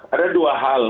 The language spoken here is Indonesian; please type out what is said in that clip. ada dua hal